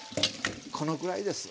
このぐらいです。